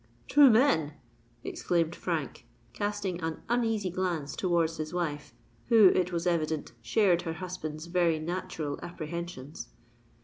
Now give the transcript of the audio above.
"Two men!" exclaimed Frank, casting an uneasy glance towards his wife, who, it was evident, shared her husband's very natural apprehensions.